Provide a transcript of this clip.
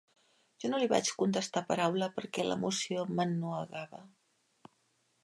Jo no li vaig contestar paraula perquè l'emoció m'ennuegava.